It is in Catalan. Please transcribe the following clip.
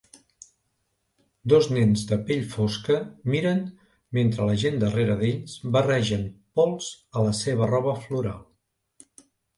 Dos nens de pell fosca miren mentre la gent darrera d'ells barregen pols a la seva roba floral.